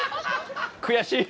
悔しい。